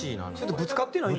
ぶつかってるな。